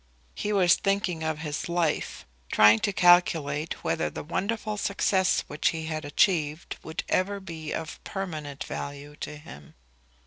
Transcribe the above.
He was thinking of his life, and trying to calculate whether the wonderful success which he had achieved would ever be of permanent value to him.